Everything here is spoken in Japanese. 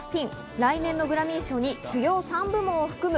来年のグラミー賞に主要３部門を含む